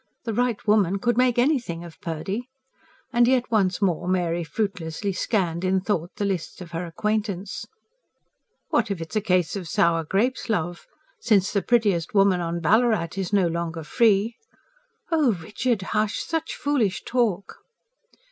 The right woman could make anything of Purdy"; and yet once more Mary fruitlessly scanned, in thought, the lists of her acquaintance. "What if it's a case of sour grapes, love? Since the prettiest woman on Ballarat is no longer free...." "Oh, Richard, hush! Such foolish talk!"